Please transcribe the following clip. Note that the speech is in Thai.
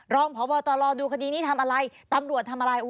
รองพบตรดูคดีนี้ทำอะไรตำรวจทำอะไร